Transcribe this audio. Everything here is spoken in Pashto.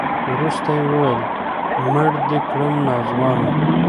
وروسته يې وويل مړ دې کړم ناځوانه.